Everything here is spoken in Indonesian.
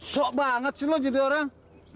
sok banget sih lo jadi orang